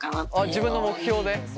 自分の目標で？